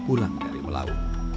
ulang dari melau